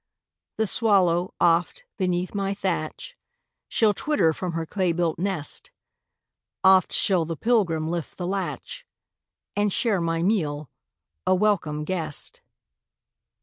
The swallow, oft, beneath my thatch, Shall twitter from her clay built nest; Oft shall the pilgrim lift the latch, And share my meal, a welcome guest.